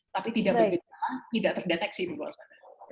tapi tidak terdeteksi di luar sana